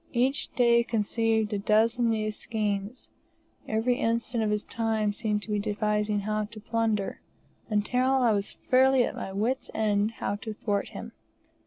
Each day conceived a dozen new schemes; every instant of his time he seemed to be devising how to plunder, until I was fairly at my wits' end how to thwart him.